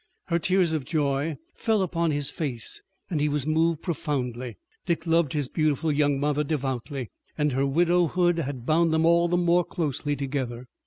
Her tears of joy fell upon his face and he was moved profoundly. Dick loved his beautiful young mother devoutly, and her widowhood had bound them all the more closely together.